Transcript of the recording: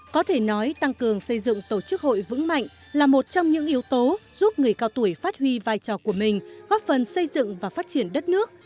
có thể nói tăng cường xây dựng tổ chức hội vững mạnh là một trong những yếu tố giúp người cao tuổi phát huy vai trò của mình góp phần xây dựng và phát triển đất nước